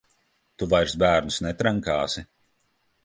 Tu vairs bērnus netrenkāsi?